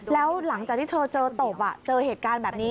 แล้วหลังจากที่เธอเจอตบเจอเหตุการณ์แบบนี้